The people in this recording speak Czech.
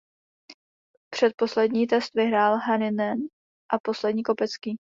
Předposlední test vyhrál Hänninen a poslední Kopecký.